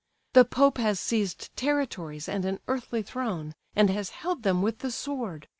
The Pope has seized territories and an earthly throne, and has held them with the sword.